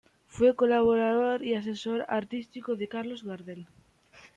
Fue colaborador y asesor artístico de Carlos Gardel.